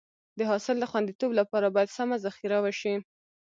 د حاصل د خونديتوب لپاره باید سمه ذخیره وشي.